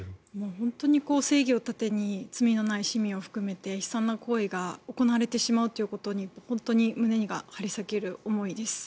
本当に正義を盾に罪のない市民を含めて悲惨な行為が行われてしまうということに本当に胸が張り裂ける思いです。